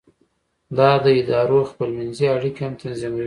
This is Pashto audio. دا د ادارو خپل منځي اړیکې هم تنظیموي.